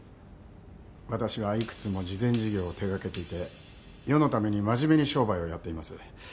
私は幾つも慈善事業を手掛けていて世のために真面目に商売をやっています。